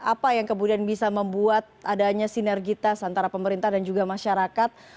apa yang kemudian bisa membuat adanya sinergitas antara pemerintah dan juga masyarakat